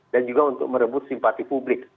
dan juga untuk merebut simpati publik